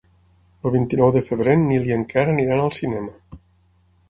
El vint-i-nou de febrer en Nil i en Quer aniran al cinema.